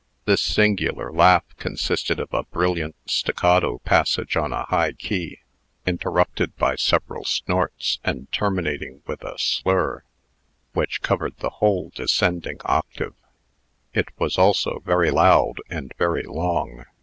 This singular laugh consisted of a brilliant stacatto passage on a high key, interrupted by occasional snorts, and terminating with a slur which covered the whole descending octave. It was also very loud and very long.